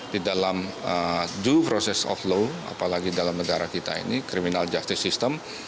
di dalam due process of law apalagi dalam negara kita ini criminal justice system